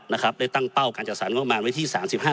ได้ตั้งเป้าการจัดสารงบมารไว้ที่๓๕